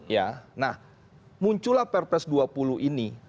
ya nah muncullah perpres dua puluh ini